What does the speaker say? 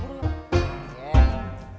dua bulan urusan betul